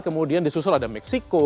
kemudian disusul ada meksiko